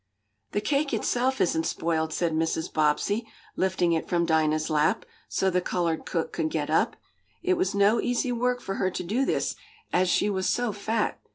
"The cake itself isn't spoiled," said Mrs. Bobbsey, lifting it from Dinah's lap, so the colored cook could get up. It was no easy work for her to do this, as she was so fat.